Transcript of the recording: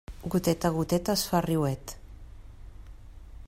Goteta a goteta es fa riuet.